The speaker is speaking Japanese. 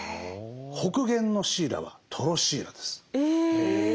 北限のシイラはトロシイラです。